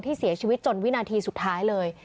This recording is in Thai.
เสียชีวิตจนวินาทีสุดท้ายเลย